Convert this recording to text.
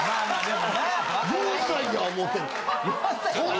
４歳や思てるん？